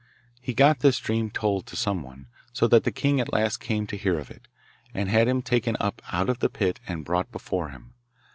He got this dream told to some one, so that the king at last came to hear of it, and had him taken up out of the pit and brought before him.